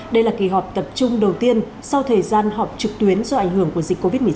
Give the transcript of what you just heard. đây là kỳ họp tập trung đầu tiên sau thời gian họp trực tuyến do ảnh hưởng của dịch covid một mươi chín